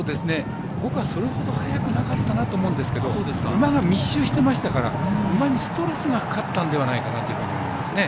僕は、それほど早くなかったなと思うんですけど馬が密集してましたから馬にストレスがかかったのではないかと思いますね。